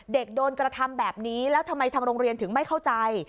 โดนกระทำแบบนี้แล้วทำไมทางโรงเรียนถึงไม่เข้าใจ